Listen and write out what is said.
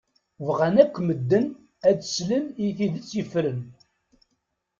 Bɣan akk medden ad slen i tidett yefren.